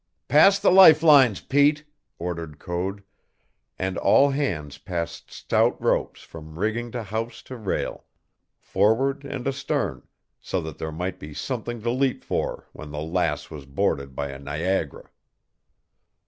"Pass the life lines, Pete," ordered Code, and all hands passed stout ropes from rigging to house to rail, forward and astern, so that there might be something to leap for when the Lass was boarded by a Niagara.